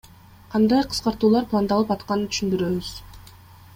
Кандай кыскартуулар пландалып атканын түшүндүрөбүз.